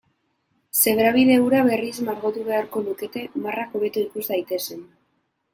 Zebrabide hura berriz margotu beharko lukete marrak hobeto ikus daitezen.